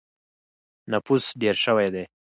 نفوس ډېر شوی دی.